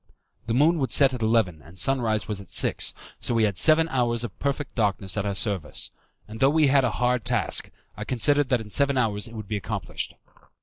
The moon would set at eleven and sunrise was at six, so we had seven hours of perfect darkness at our service; and though we had a hard task, I considered that in seven hours it would be accomplished.